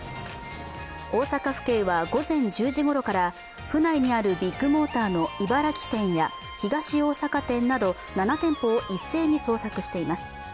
大阪府警は午前１０時ごろから府内にあるビッグモーターの茨城店や東大阪店など７店舗を一斉の捜索しています。